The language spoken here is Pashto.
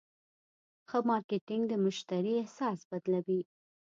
ښه مارکېټنګ د مشتری احساس بدلوي.